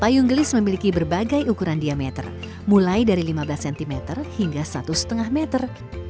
payung gelis memiliki berbagai ukuran diameter mulai dari lima belas cm hingga satu lima meter